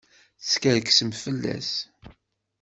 Teskerksemt fell-as!